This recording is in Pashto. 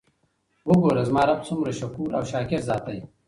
وګوره! زما رب څومره شکور او شاکر ذات دی!!؟